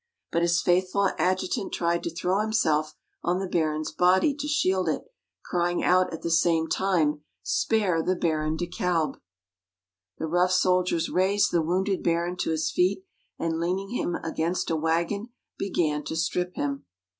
But his faithful adjutant tried to throw himself on the Baron's body to shield it, crying out at the same time, "Spare the Baron de Kalb!" The rough soldiers raised the wounded Baron to his feet, and, leaning him against a wagon, began to strip him.